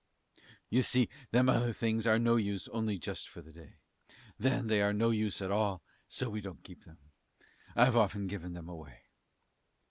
You see them other things are no use only just for the day, then they are no use at all, so we don't keep them I've often given them away.